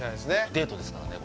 デートですからね。